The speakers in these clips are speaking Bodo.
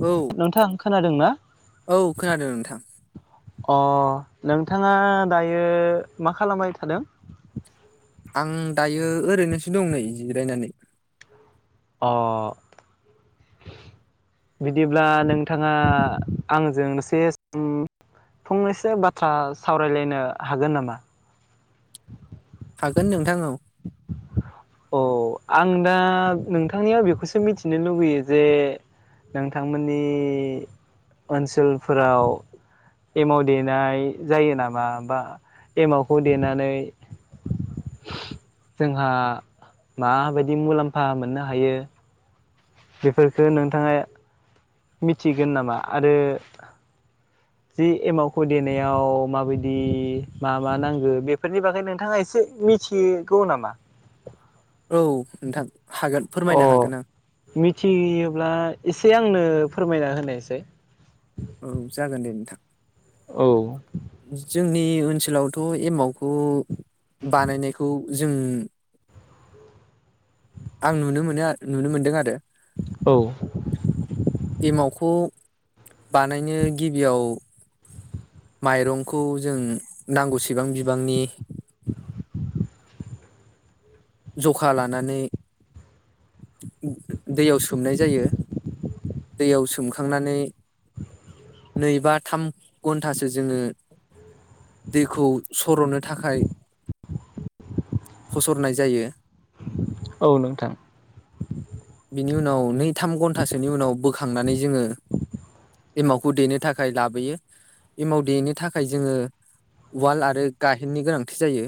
औ नोंथां खोनादों ना औ खोनादों नोंथां अ नोंथाङा दायो मा खालामबाय थादों आं दायो ओरैनोसो दं नै जिरायनानै अ बिदिब्ला नोंथाङा आंजों सेस फंनैसो बाथ्रा सावरायलायनो हागोन नामा हागोन नोंथां औ अ आं दा नोंथांनियाव बेखौसो मिथिनो लुबैयो जे नोंथांमोननि ओनसोलफोराव एमाव देनाय जायो नामा बा एमावखौ देनानै जोंहा माबायदि मुलाम्फा मोननो हायो बेफोरफोरखो नोंथाङा मिथिगोन नामा आरो जि एमावखौ देनायाव माबायदि मा मा नांगौ बेफोरनि बागै नोंथाङा एसे मिथिगौ नामा औ नोंथां हागोन अ फोरमायनो हागोन आं मिथियोब्ला एसे एसे आंनो फोरमायना होनायसाय औ जागोन दे नोंथां औ जोंनि ओनसोलावथ' एमावखौ बानायनायखौ जों आं नुनो मोनो आरो नुनो मोनदों आरो औ एमावखौ बानायनो गिबियाव माइरंखौ जों नांगौसेबां बिबांनि जखा लानानै दैयाव सोमनाय जायो दैयाव सोमखांनानै नै बा थाम घन्टासो जोङो दैखौ सर'नो थाखाय फस'रनाय जायो औ नोंथां बेनि उनाव नै थाम घन्टासोनि उनाव बोखांनानै जोङो एमावखौ देनो थाखाय लाबोयो एमाव देनो थाखाय जोङो उवाल आरो गाहेननि गोनांथि जायो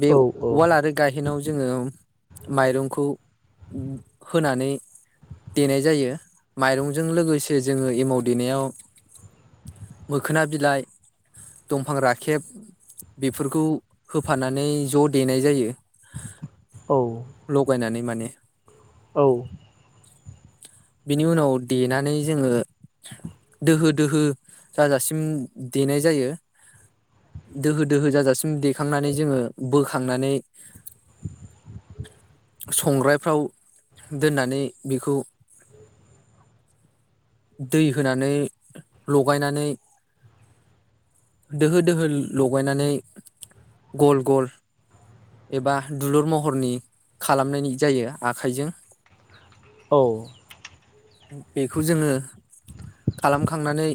बे औ औ उवाल आरो गायहेनाव जोङो माइरंखौ होनानै देनाय जायो माइरंजों लोगोसे जोङो एमाव देनायाव मोखोना बिलाइ दंफां राखेब बेफोरखौ होफानानै ज' देनाय जायो। औ लगायनानै माने [inaudible] औ बेनि उनाव देनानै जोङो दोहो दोहो जाजासिम देनाय जायो। दोहो दोहो जाजासिम देखांनानै जोङो बो खांनानै संग्राय फ्राव दोननानै बेखौ दै होनानै लगायनानै दोहो दोहो लगायनानै गल गल एबा दुलुर महरनि खालामनायनि जायो आखाइजों। औ बेखौ जोङो खालाम खांनानै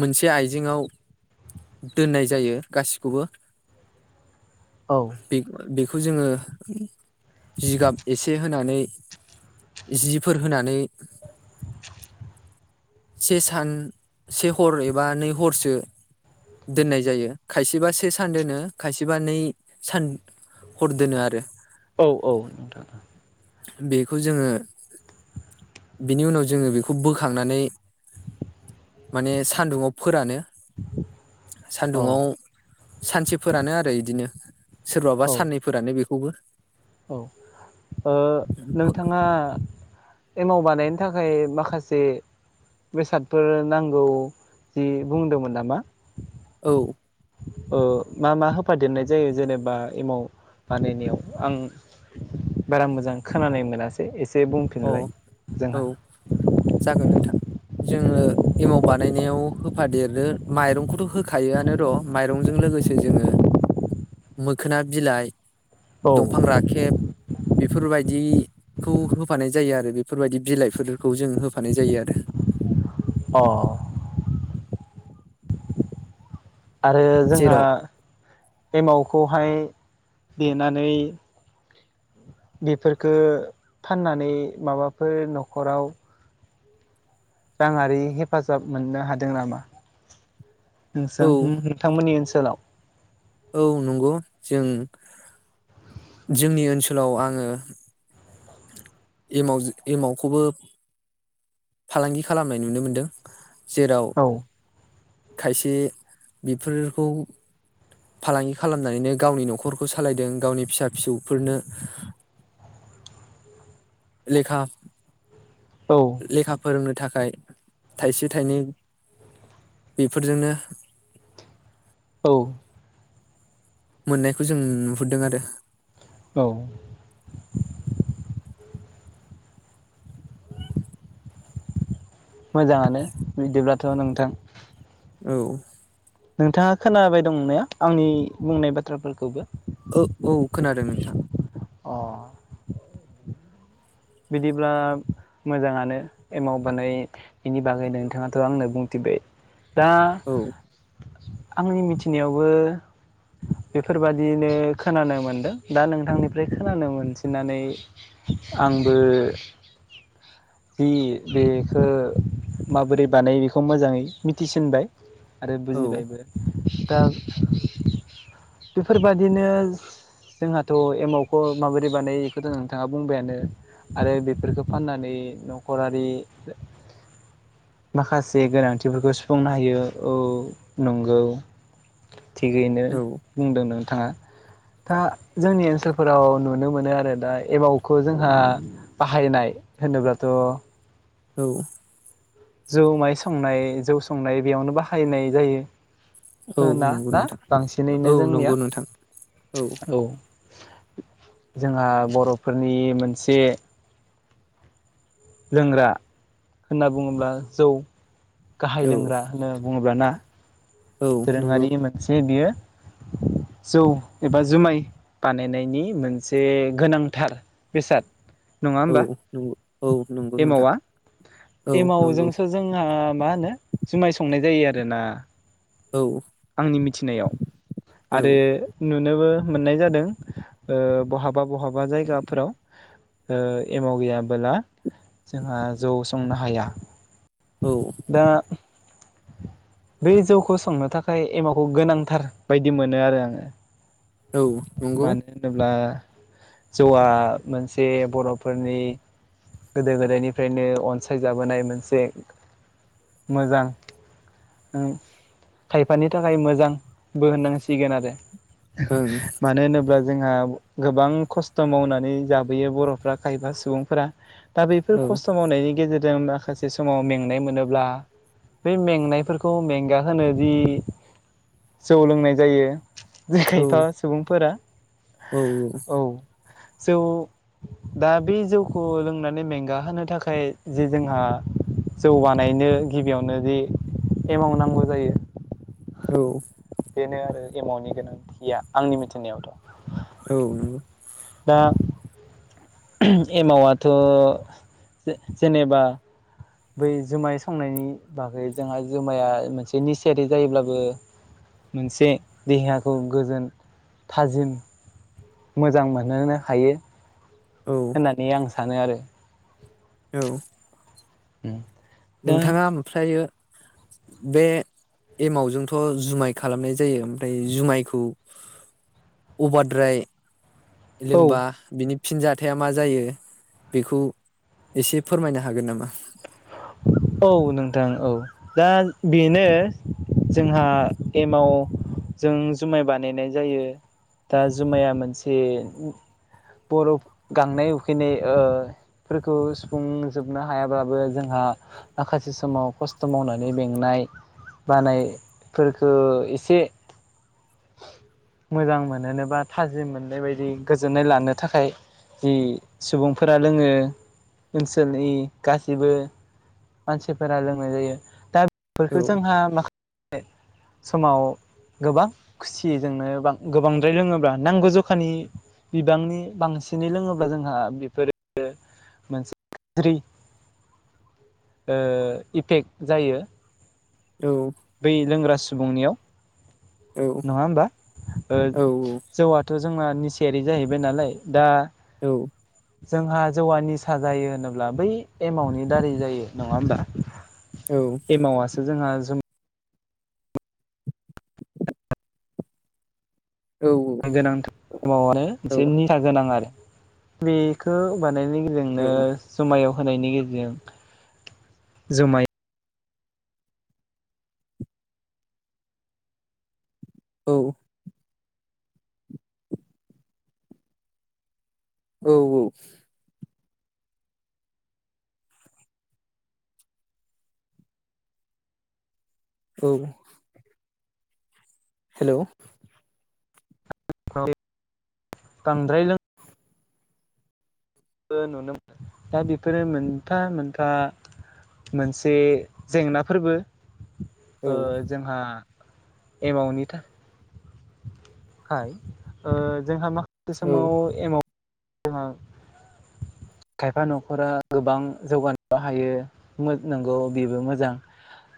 मोनसे आइजेेंआव दोननाय जायो गासिखौबो। औ बे बेखौ जोङो जिगाब एसे होनानै जिफोर होनानै से सान से हर एबा नै हरसो दोननाय जायो खायसेबा से सान दोनो खायसेबा नै सान हर दोनो आरो। औ औ नोंथां बेखौ जोङो बेनि उनाव जोङो बेखौ बोखांनानै माने सान्दुंङाव फोरानो औ सान्दुंङाव सानसे फोरानो आरो इदिनो। सोरबाबा औ साननै फोरानो बे खौबो। औ ओ नोंथाङा एमाव बानायनो थाखाय माखा से बेसादफोर नांगौ जि बुंदोंमोन नामा? औ ओ मा मा होफादेरनाय जायो जेनेबा एमाव बानाय नायाव आं बारा मोजां खोनानाय मोनासै एसे से अ बुंफिनलाय जोंहा। औ जागोन नोंथां जोङो एमाव बानायनायाव होफादेरो माइरंखौथ' होखायो आनो र' माइरंजों लोगोसे जोङो मोखोना बिलाइ औ दंफां राखेब बेफोर बायदि खौ होफानाय जायो आरो बेफोर बायदि बिलाइ फोरखौ जों होफानाय जायो आरो। अ आरो जोंहा जेराव एमाव खौहाय देनानै बेफोर फोरखो फाननानै माबा फोर न'खराव राङारि हेफाजाब मोननो हादों नामा? औ नोंसां होम नोंथांमोननि ओनसो सोलाव। औ नंगौ जों जोंनि ओनसोलाव आङो एमावजो एमावखौबो फालांगि खालामनाय नुनो मोनदों। जेराव औ खायसे बेफोरखौ फालांगि खालामनानैनो गावनि न'खरखौ सालायदों गावनि फिसा फिसौफोरनो लेखा औ लेखा फोरोंनो था थाखाय थाइसे थाइनै बेफोरजोंनो औ मोननायखौ जों नुहुरदों आरो औ मोजाङानो बिदिब्लाथ' नोंथां। औ नोंथाङा खोनाबाय दं ना आंनि बुंनाय बाथ्राफोरखौबो? ओ औ खोनादों नोंथां। अ बिदिब्ला मोजाङानो एमाव बानाय बेनि बागै नोंथाङाथ' आंनो बुंथिबाय। दा औ आंनि मिथिनायावबो बेफोरबादिनो खोनानो मोनदों दा नोंथांनिफ्राय खोनानो मोनसिननानै आंबो बि बेखो माबोरै बानायो बेखौ मोजाङै मिथिसिनबाय। आरो औ बुजिबायबो दा बेफोरबादिनो जोंहाथ एमावखौ माबादि बानायो बेखौ नोंथांङा बुंबायानो आरो बेफोरखौ फाननानै थिगैनो बुंदों नों थाङा दा जोंनि ओनसोलफोराव नुनो मोनो आरो दा एमावखौ जोंहा बाहायनाय होनोब्लाथ' औ जौ माइ संनाय जौ संनाय बेयावनो बाहायनाय जा जायो औ होना नंगौ ना नोंथां बांसिनैनो औ जोंनिया नंगौ नोंथां औ जोंहा बर'फोरनि मोनसे लोंग्रा होनना बुङोब्ला जौ गाहाय औ लोंग्रा होनना बुङोब्लाना औ नंगौ दोरोङारि मोनसे बियो जौ एबा जुमाय बानायनायनि मोनसे गोनांथार बेसाद नङा औ होमबा नंगौ औ नंगौ नोंथां एमावा औ नंगौ एमावजोंसो जोंहा मा होनो जुमाय संनाय जायो आरो। दोना औ आंनि मिथिनायाव औ आरो नुनोबो मोननाय जादों ओ बहाबा बहाबा जायगाफोराव एमाव गैयाबोला जोंहा जौ संनो हाया। औ दा बे जौखौ संनो थाखाय एमावखौ गोनांथार बायदि मोनो आरो आङो। औ नंगौ मानो होनोब्ला जौआ मोनसे बर'फोरनि गोदो गोदायनिफ्रायनो अनसायजाबोनाय मोनसे मोजां खायफानि थाखाय मोजांबो होननांसिगोन आरो ओं मानो होनोब्ला जोंहा गोबां खस्थ' मावनानै जाबोयो बर'फ्रा खायफा सुबुंफोरा दा बेफोर औ खस्थ' मावनायनि गेजेर जों माखासे समाव मेंनाय मोनोब्ला बै मेंनायफोरखौ मेंगाहोनो जि जौ लोंनाय जायो जे औ खायफा सुबुंफोरा औ औ जौ दा बे जौखौ लोंनानै मेंगाहोनो थाखाय जि जोंहा जौ बानायनो गिबियावनो जि एमाउ नांगौ जायो औ बेनो आरो एमाउनि गोनांथिया आंनि मिथिनायावथ' औ दा एमावाथ' जेनेबा बै जुमाय संनायनि बागै जोंहा जुमाया मोनसे निसियारि जायोब्लाबो मोनसे देहाखौ गोजोन थाजिम मोजां मोनहोनो हायो होननानै आं। सानो आरो। औ। उम। नोंथाङा ओमफ्रायो। बे एमावजोंथ' जुमाय खालामनाय जायो ओमफ्राय जुमायखौ अभारद्राय। औ लोंबा बिनि फिन जाथाया मा जायो बेखौ एसे फोरमायनो हागोन नामा। औ नोंथां औ दा बेनो जोंहा एमाव जों जुमाइ बानायनाय जायो दा जुमाइया मोनसे बर' गांनाय उखैनाय फोरफोरखौ सुफुंजोबनो हायाब्लाबो जोंहा माखासे समाव खस्थ' मावनानै मेंनाय बानायफोरखो एसे मोजां मोनहोनो बा थाजिम मोननाय बायदि गोजोननाय लानो थाखाय जि सुबुंफोरा लोङो ओनसोलनि गासैबो मानसिफोरा लोंनाय जायो दा। औ फोरखौ जोंहा मा समाव गोबां खुसिजोंनो गोबांद्राय लोङोब्ला नांगौ जखानि बिबांनि बांसिनै लोङोब्ला जोंहा बेफोरो मोनसे गाज्रि इफेक्ट जायो। औ। बै लोंग्रा सुबुंनियाव। औ नङा होमबा औ जौआथ'। जोंहा निसायारि जाहैबाय नालाय दा। औ। जोंहा जौआ निसा जायो होनोब्ला बै एमाउनि दारै जायो नङा होमबा। एमावासो जोंहा जु औ गोनांथार मोनसे निसा गोनां आरो। बेखौ नायनि गेजेरजोंनो जुमायाव। होनायनि गेजेरजों जुमाय औ। औ औ। औ। हेल'। बांद्राय। दा बेफोरो मोनफा मोनफा मोनसे जेंनाफोरबो। ओ औ जोंहा एमावनि था खाय ओ जोंहा मा समाव औ एमाव। जोंहा खायफा न'खरा गोबां जौगानोबो हायो नंगौ बेबो मोजां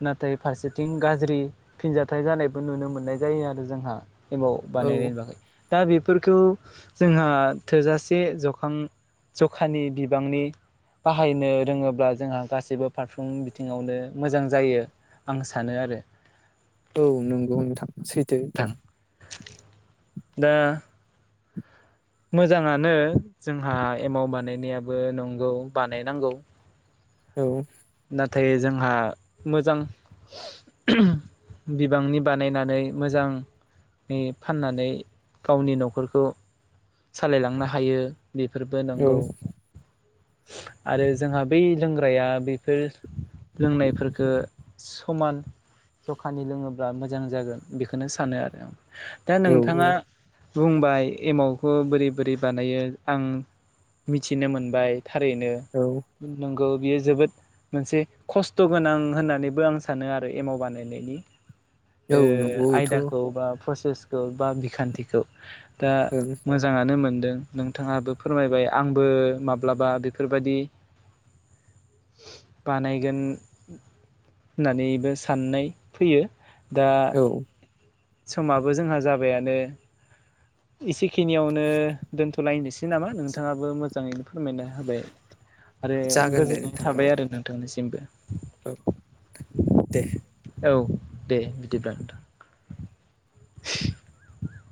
नाथाय फारसेथिं गाज्रि फिनजाथाइ जानायबो नुनो मोननाय जायो आरो जोंहा। एमाव औ बानायनायनि बागै। दा बेफोरखौ जोंहा थोजासे जखां जखानि बिबांनि बाहायनो रोङोब्ला जोंहा गासैबो फारफ्रोमबो बिथिङावनो मोजां जायो आं सानो आरो। औ नंगौ नोंथां। सैथो द नोंथां दा मोजाङानो जोंहा औ नाथाय जोंहा मोजां बिबांनि बानायनानै मोजां फाननानै गावनि न'खरखौ सालायलांनो हायो बेफोरबो औ नंगौ आरो जोंहा बै लोंग्राया बेफोर लोंनायफोरफोरखो समान जखानि लोङोब्ला मोजां जागोन बेखौनो सानो आरो आं दा औ नोंथाङा औ बुंबाय एमावखौ बोरै बोरै बानायो आं मिथिनो मोनबाय थारैनो औ नंगौ बियो जोबोद मोनसे खस्थ' गोनां होननानैबो आं सानो आरो एमाव बानायनायनि ओ औ नंगौ बेथ' आयदाखौ बा फ स खौ बा बिखान्थिखौ दा ओं मोजाङानो मोनदों नोंथाङाबो फोरमायबाय आंबो माबा माब्लाबा बेफोरबदि बानायगोन होननानैबो साननाय फैयो दा औ समाबो जोंहा जाबायानो एसेखिनियावनो दोनथ'लायनोसै नामा नोंथाङाबो मोजाङैनो फोरमायना होबाय आरो जागोन दे गोजोननाय नोंथां औ थाबाय आरो नोंथांनिसिम [inaudible] औ दे औ दे बिदिब्ला नोंथां।